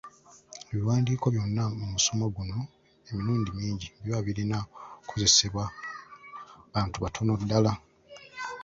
Ebiwandiiko byonna mu musomo guno emirundi mingi biba birina kukozesebwa bantu batono ddala.